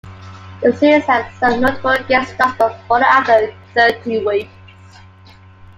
The series had some notable guest stars but folded after thirteen weeks.